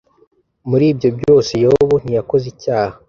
muri ibyo byose yobu ntiyakoze icyaha .